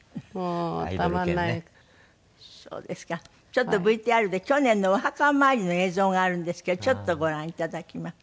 ちょっとＶＴＲで去年のお墓参りの映像があるんですけどちょっとご覧いただきます。